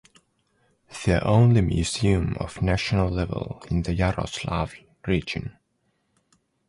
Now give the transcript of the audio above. The only museum of national level in the Yaroslavl region.